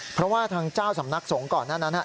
เพราะว่าทางเจ้าสำนักสงฆ์ก่อนหน้านั้น